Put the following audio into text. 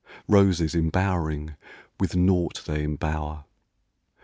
Roses embowering with naught they embower!